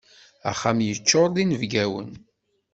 Axxam yeččur d inebgawen.